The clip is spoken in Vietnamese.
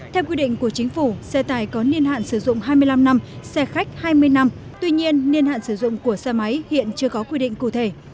theo quy định của chính phủ xe tài có niên hạn sử dụng hai mươi năm năm xe khách hai mươi năm tuy nhiên niên hạn sử dụng của xe máy hiện chưa có quy định cụ thể